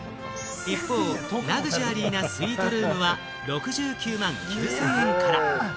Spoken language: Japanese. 一方、ラグジュアリーなスイートルームは６９万９０００円から。